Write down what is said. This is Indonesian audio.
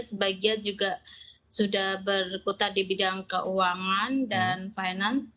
sebagian juga sudah berkutat di bidang keuangan dan finance